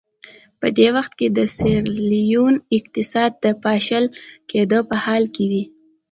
په دې وخت کې د سیریلیون اقتصاد د پاشل کېدو په حال کې و.